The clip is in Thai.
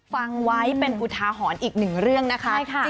ฟังไว้เป็นอุทาหรณ์อีกหนึ่งเรื่องนะคะ